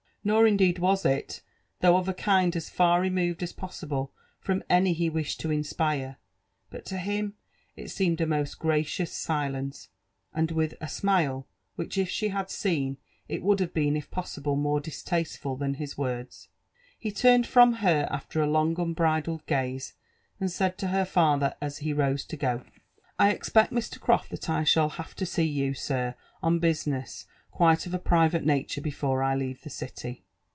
Nor indeed was it, though of a kind as far removed as possible from any he wished to inspire ; but to him it seemed a most *' gracious silence," and wilh a smile which, if she had seen it would have been if possible more distasteful than his words, hp turned from her after a long unbridled gaze^ ajad said tp her father ap ha fi«e to go, "I ez|MCt, Mr. ^pofi, that I shaU have to aeeyou, air, ^oo busiaeaB quite of a private oaiure before I leave the city."